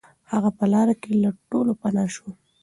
هغه په لاره کې له ټولو پناه شو.